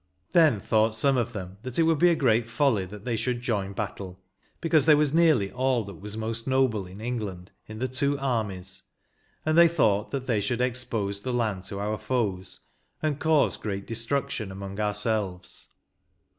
Then thought some of them that it would be a great folly thiit they should join battle; because there was nearly all that was most noble in England in the two armies, and they thought that they should expose the land to our foes, and cause great destruction among ourselves.